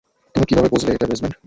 তুমি কিভাবে বুঝলে এটা বেসমেন্ট?